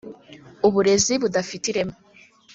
uburezi budafite ireme